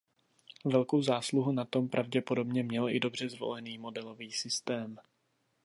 Velkou zásluhu na tom pravděpodobně měl i dobře zvolený modelový systém.